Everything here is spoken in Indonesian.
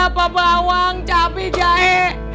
apa bawang cape jahe